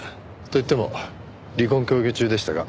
と言っても離婚協議中でしたが。